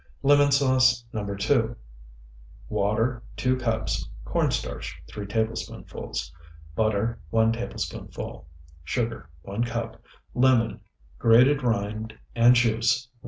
LEMON SAUCE NO. 2 Water, 2 cups. Corn starch, 3 tablespoonfuls. Butter, 1 tablespoonful. Sugar, 1 cup. Lemon, grated rind and juice, 1.